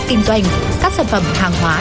kinh doanh các sản phẩm hàng hóa